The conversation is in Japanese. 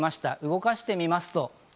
動かしてみます。